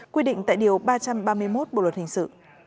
quy định tại điều ba trăm ba mươi một bộ luật hình sự